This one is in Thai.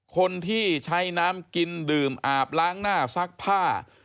คนที่ใช้น้ำกินดื่มอาบล้างหน้าซักผ้า